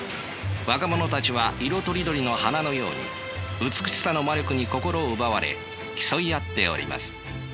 若者たちは色とりどりの花のように美しさの魔力に心奪われ競い合っております。